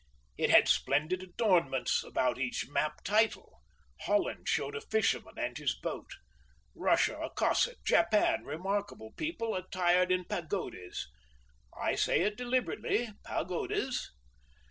It had splendid adornments about each map title; Holland showed a fisherman and his boat; Russia a Cossack; Japan, remarkable people attired in pagodas—I say it deliberately, "pagodas."